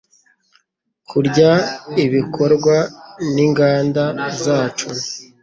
kurya ibukorwa ninganda zacu